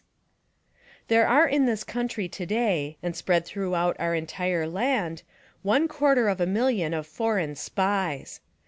! There are in this country today, and spread throughout our entire land, one quarter of a million of foreign SPIES